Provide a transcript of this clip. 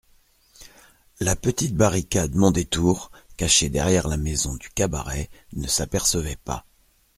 La petite barricade Mondétour, cachée derrière la maison du cabaret, ne s'apercevait pas.